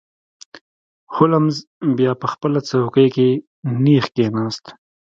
هولمز بیا په خپله څوکۍ کې نیغ کښیناست.